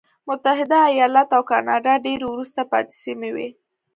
متحده ایالات او کاناډا ډېرې وروسته پاتې سیمې وې.